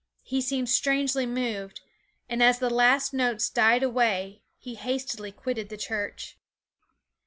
He seemed strangely moved, and as the last notes died away he hastily quitted the church.